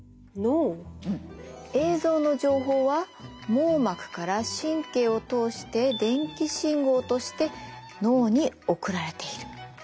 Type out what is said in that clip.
映像の情報は網膜から神経を通して電気信号として脳に送られている。